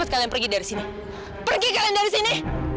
berkata yang pergi dari sini pergi kalau gini